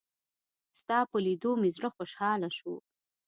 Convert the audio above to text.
ستا په لېدو مې زړه خوشحاله شو.